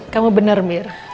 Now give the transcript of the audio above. kamu bener mir